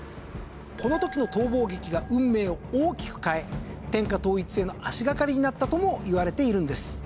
この時の逃亡劇が運命を大きく変え天下統一への足掛かりになったともいわれているんです。